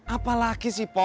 apa lagi sih pok